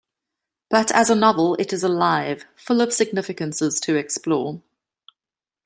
But as a novel it is alive, full of significances to explore".